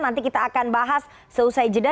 nanti kita akan bahas selesai jeda